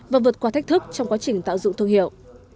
và vượt qua thách thức trong quá trình tạo dựng thương hiệu